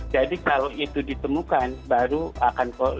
jadi kalau itu ditemukan baru akan lebih nyata bahwa itu ada monyetnya